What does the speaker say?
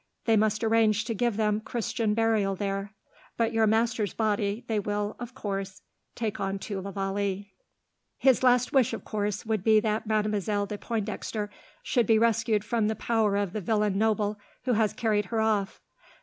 They must arrange to give them Christian burial there, but your master's body they will, of course, take on to la Vallee. "His last wish, of course, would be that Mademoiselle de Pointdexter should be rescued from the power of the villain noble who has carried her off.